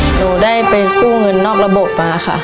หนูได้ไปกู้เงินนอกระบบมาค่ะ